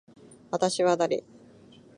私は誰。